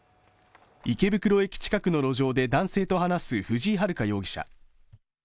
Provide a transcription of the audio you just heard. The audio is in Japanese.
池袋駅近くの路上で男性と話す藤井遥容疑者。